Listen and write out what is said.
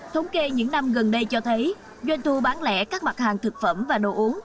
thống kê những năm gần đây cho thấy doanh thu bán lẻ các mặt hàng thực phẩm và đồ uống